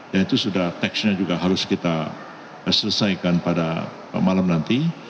dan itu sudah teksturnya juga harus kita selesaikan pada malam nanti